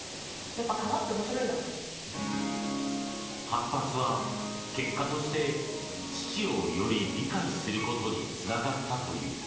反発は結果として父をより理解することにつながったという。